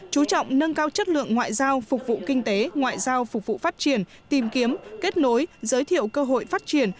chú trọng nâng cao chất lượng ngoại giao phục vụ kinh tế ngoại giao phục vụ phát triển tìm kiếm kết nối giới thiệu cơ hội phát triển